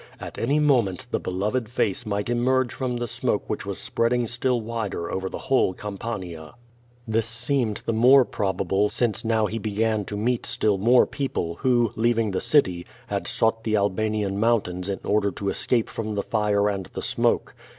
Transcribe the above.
At any moment the beloved face might emerge from the smoke which was spreading still wider over the whole Campania. This seemed the more probable since now he began to meet still more people who, leaving the city, had sought the Al banian mountains in order to escape from the fire and the smoke.